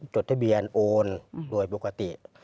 จดทะเบียนโอนโดยปกติ